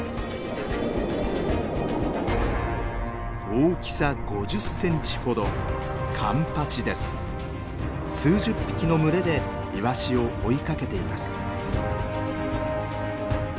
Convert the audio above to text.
大きさ５０センチほど数十匹の群れでイワシを追いかけています。